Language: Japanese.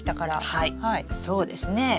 はいそうですね。